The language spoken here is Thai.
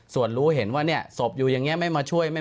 ส่วนรู้เห็นว่าศพอยู่อย่างนี้ไม่มาช่วย